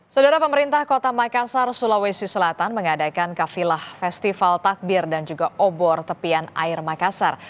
saudara pemerintah kota makassar sulawesi selatan mengadakan kafilah festival takbir dan juga obor tepian air makassar